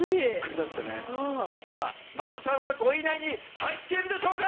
さぁＭＡＢさんは５位以内に入っているでしょうか